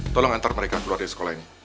tolong antar mereka keluar dari sekolah ini